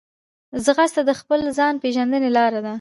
ځغاسته د خپل ځان پېژندنې لار ده